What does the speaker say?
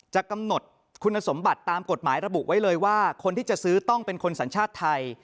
จะกำหนดคุณสมบัติตามกฎหมายระบุไว้เลยว่าคนที่จะซื้อต้องเป็นคนสัญชาติไทย